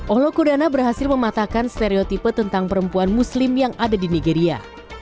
ohlokudana berhasil mematakan stereotipe tentang perempuan muslim yang ada di nigeria